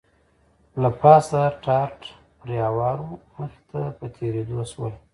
له پاسه ټاټ پرې هوار و، مخې ته په تېرېدو شول.